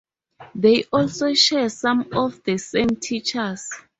They also share some of the same teachers.